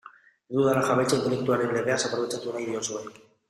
Ez dudala jabetza intelektualaren legeaz aprobetxatu nahi diozue.